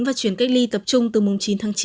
và chuyển cách ly tập trung từ mùng chín tháng chín